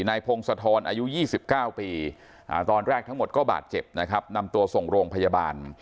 นายพงศธรอายุ๒๙ปีตอนแรกทั้งหมดก็บาดเจ็บนะครับนำตัวส่งโรงพยาบาล